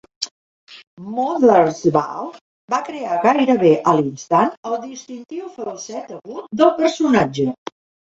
Mothersbaugh va crear gairebé a l'instant el distintiu falset agut del personatge.